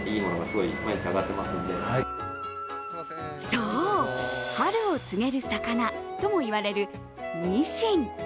そう、春を告げる魚とも言われるニシン。